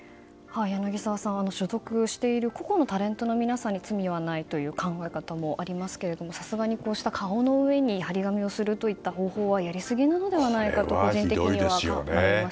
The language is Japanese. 柳澤さん、所属している個々のタレントの皆さんに罪はないという考え方もありますけれどもさすがにこうした顔の上に貼り紙をするといった方法はやりすぎなのではないかと個人的には思います。